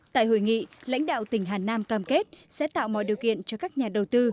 tại hội nghị lãnh đạo tỉnh hà nam cam kết sẽ tạo mọi điều kiện cho các nhà đầu tư